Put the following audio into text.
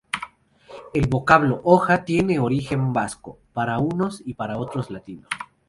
El vocablo Oja tiene origen vasco para unos y para otros latino.